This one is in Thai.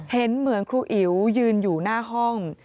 เห็นเหมือนครูอิ๋วยืนอยู่หน้าห้อง